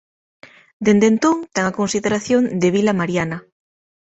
Dende entón ten a consideración de Vila Mariana.